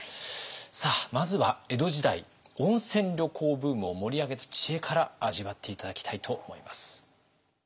さあまずは江戸時代温泉旅行ブームを盛り上げた知恵から味わって頂きたいと思います。